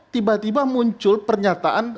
tiba tiba muncul pernyataan